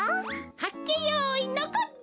はっけよいのこった！